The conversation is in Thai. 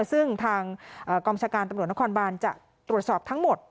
ซึ่งทางกองชาการตำรวจนครบานจะตรวจสอบทั้งหมด